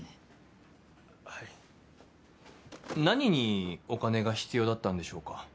何にお金が必要だったんでしょうか？